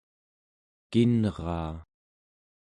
kinraa